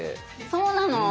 そうなの？